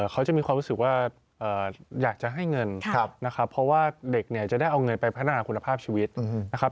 เขาจะมีความรู้สึกว่าอยากจะให้เงินนะครับเพราะว่าเด็กเนี่ยจะได้เอาเงินไปพัฒนาคุณภาพชีวิตนะครับ